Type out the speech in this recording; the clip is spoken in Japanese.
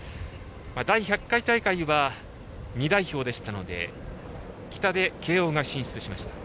第１００回大会は２代表でしたので北で慶応が進出しました。